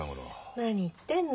何言ってんの。